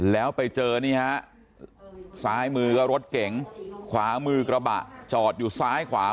แล้วไปเจอนี่ฮะซ้ายมือก็รถเก๋งขวามือกระบะจอดอยู่ซ้ายขวา